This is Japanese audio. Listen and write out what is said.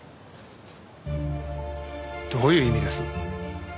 どういう意味です？